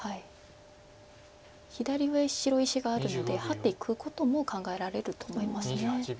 左上白石があるのでハッていくことも考えられると思います。